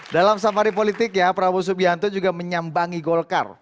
dalam samari politik ya prabowo subianto juga menyambangi golkar